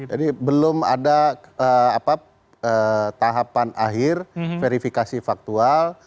jadi belum ada tahapan akhir verifikasi faktual